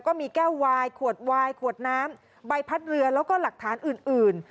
ก็มีแก้ววายขวดวายขวดน้ำใบพัดเรือแล้วก็หลักฐานอื่น